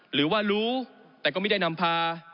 หรือว่ารู้แต่ก็ไม่ได้นำพา